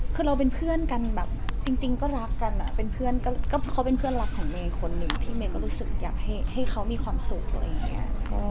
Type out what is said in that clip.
แค่เราเป็นเพื่อนกันแบบจริงก็รักกันอ่ะเป็นเพื่อนเขาเหมือนกับยกให้เขามีความสุข